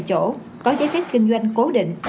học động ba tại chỗ có giấy phép kinh doanh cố định